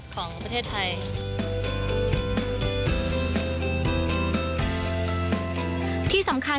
ชอบโมโหใส่คุณนิกเลยนะครับ